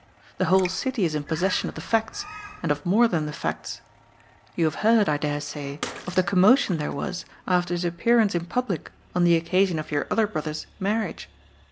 The whole city is in possession of the facts, and of more than the facts. You have heard, I dare say, of the commotion there was after his appearance in public on the occasion of your other brother's marriage.